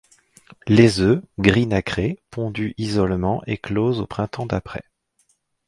Les œufs, gris nacré, pondus isolement éclosent au printemps d'après.